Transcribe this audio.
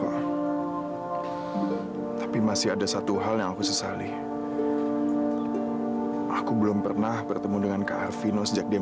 oh didi didi didi